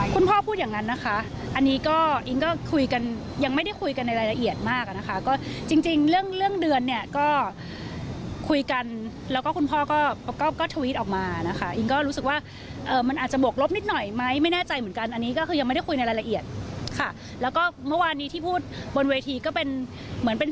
พูดอย่างนั้นนะคะอันนี้ก็อิงก็คุยกันยังไม่ได้คุยกันในรายละเอียดมากอะนะคะก็จริงเรื่องเรื่องเดือนเนี่ยก็คุยกันแล้วก็คุณพ่อก็ทวิตออกมานะคะอิงก็รู้สึกว่ามันอาจจะบวกลบนิดหน่อยไหมไม่แน่ใจเหมือนกันอันนี้ก็คือยังไม่ได้คุยในรายละเอียดค่ะแล้วก็เมื่อวานนี้ที่พูดบนเวทีก็เป็นเหมือนเป็น